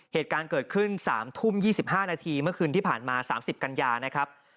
เหตุการณ์เกิดขึ้น๓ทุ่ม๒๕นาทีเมื่อคืนที่ผ่านมา๓๐กันยานะครับ